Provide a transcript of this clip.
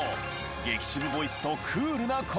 激渋ボイスとクールな声。